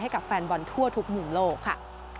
กับแฟนบอลทั่วทุกมุมโลกค่ะ